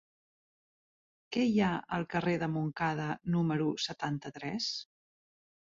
Què hi ha al carrer de Montcada número setanta-tres?